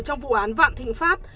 trong vụ án vạn thịnh pháp